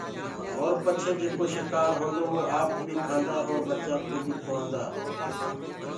اور پچي جيڪو شڪآر هوندو وو آپ بي کآندآ اور ٻچآنٚ ڪوُ بي کُوآندآ۔